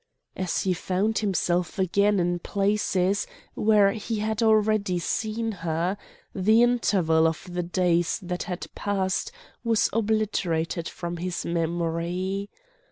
As he found himself again in places where he had already seen her, the interval of the days that had passed was obliterated from his memory.